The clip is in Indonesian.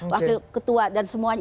wakil ketua dan semuanya